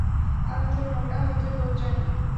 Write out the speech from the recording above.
আমি তোর নোংরা হাতের দৌড় জানি।